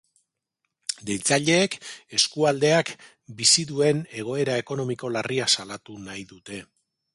Deitzaileek eskualdeak bizi duen egoera ekonomiko larria salatu nahi dute.